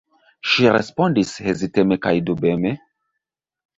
Ŝi respondis heziteme kaj dubeme: